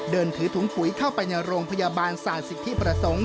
เดินถือถุงปุ๋ยเข้าไปในโรงพยาบาลศาสสิทธิประสงค์